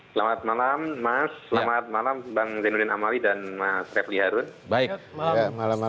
selamat malam mas selamat malam bang zainuddin amali dan mas refli harun